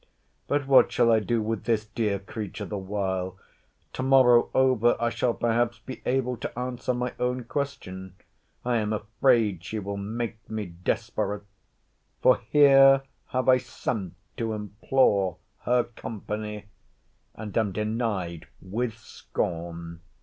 But what shall I do with this dear creature the while?—To morrow over, I shall, perhaps, be able to answer my own question. I am afraid she will make me desperate. For here have I sent to implore her company, and am denied with scorn.